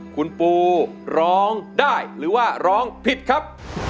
คุณปูร้องได้หรือว่าร้องผิดครับ